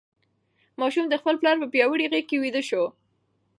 ماشوم د خپل پلار په پیاوړې غېږ کې ویده شو.